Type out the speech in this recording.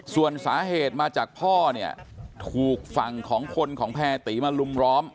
ส่วนสาเหตุมาจากพ่อเนี่ยถูกฝั่งของคนของแพรตีมาลุมล้อม